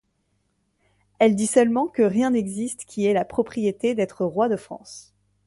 Elle dit seulement que rien n'existe qui ait la propriété d'être roi de France.